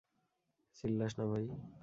চিল্লাস না ভাই।